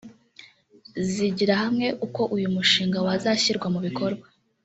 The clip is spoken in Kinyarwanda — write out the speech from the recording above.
zigira hamwe uko uyu mushinga wazashyirwa mu bikorwa